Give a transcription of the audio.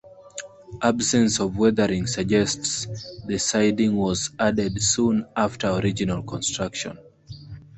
Absence of weathering suggests the siding was added soon after original construction.